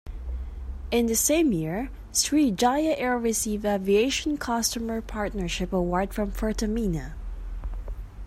In the same year Sriwijaya Air received Aviation Customer Partnership Award from Pertamina.